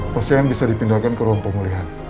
pasien bisa dipindahkan ke ruang pemulihan